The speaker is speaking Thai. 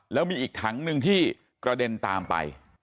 แล้วมีอีกถังหนึ่งที่กระเด็นตามไป